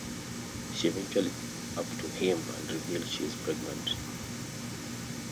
She eventually catches up to him and reveals she is pregnant.